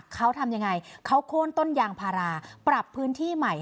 เขาทำยังไงเขาโค้นต้นยางพาราปรับพื้นที่ใหม่